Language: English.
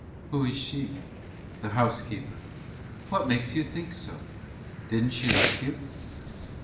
"Who is she?" "The housekeeper." "What makes you think so? Didn't she like you?"